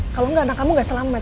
kalau enggak anak kamu gak selamat